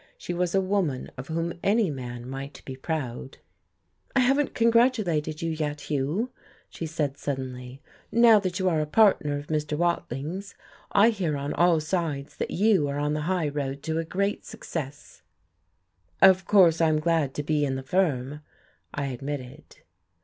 She was a woman of whom any man might be proud.... "I haven't congratulated you yet, Hugh," she said suddenly, "now that you are a partner of Mr. Watling's. I hear on all sides that you are on the high road to a great success." "Of course I'm glad to be in the firm," I admitted.